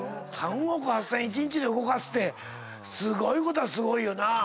３億８，０００１日で動かすってすごいことはすごいよな。